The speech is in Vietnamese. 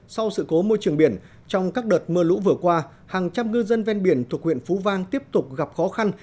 sau sự cố môi trường biển trong các đợt mưa lũ vừa qua hàng trăm ngư dân ven biển thuộc huyện phú vang tiếp tục gặp khó khăn